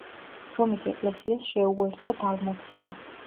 რომის ეკლესიას შეუერთა დალმაცია.